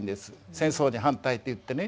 戦争に反対って言ってね。